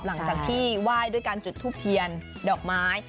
หลังจากที่ไหว้ด้วยการจุดทูบเทียนดอกไม้